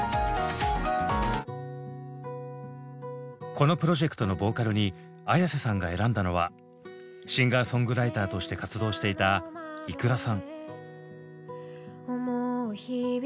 このプロジェクトのボーカルにＡｙａｓｅさんが選んだのはシンガーソングライターとして活動していたｉｋｕｒａさん。